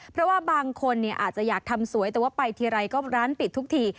เพราะว่าบางคนอาจจะอยากทำสวยแต่ว่าไปทีไรก็ร้านปิดทุกที